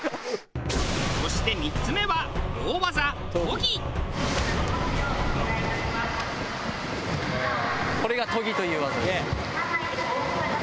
そして３つ目はこれがトギという技です。